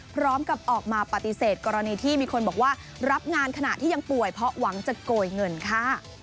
พร้อมกับออกมาปฏิเสธกรณีที่มีคนบอกว่ารับงานขณะที่ยังป่วยเพราะหวังจะโกยเงินค่ะ